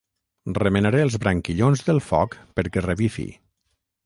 Remenaré els branquillons del foc perquè revifi.